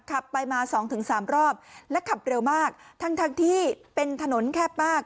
ขับไปมาสองถึงสามรอบและขับเร็วมากทั้งทั้งที่เป็นถนนแคบมาก